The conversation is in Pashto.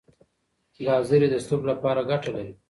ګازرې د سترګو لپاره ګټه لري.